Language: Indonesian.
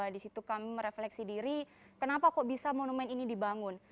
di situ kami merefleksi diri kenapa kok bisa monumen ini dibangun